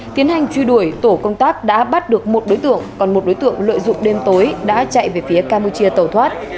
tiến hành truy đuổi tổ công tác đã bắt được một đối tượng còn một đối tượng lợi dụng đêm tối đã chạy về phía campuchia tàu thoát